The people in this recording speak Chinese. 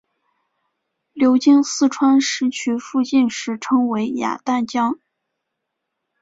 流经四川石渠附近时称为雅砻江。